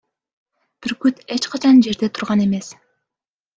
Бүркүт эч качан жерде турган эмес.